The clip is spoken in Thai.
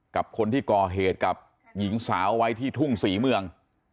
กับคนที่ก่อเหตุกับหญิงสาวไว้ที่ทุ่งศรีเมือง